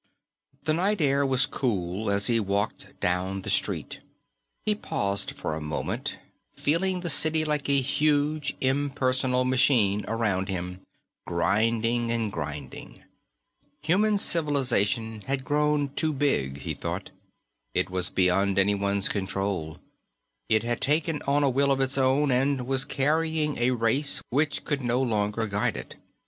The night air was cool as he walked down the street. He paused for a moment, feeling the city like a huge impersonal machine around him, grinding and grinding. Human civilization had grown too big, he thought. It was beyond anyone's control; it had taken on a will of its own and was carrying a race which could no longer guide it.